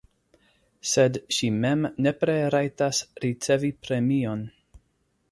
Sed ŝi mem nepre rajtas ricevi premion.